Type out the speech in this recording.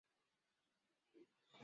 克瑞乌萨。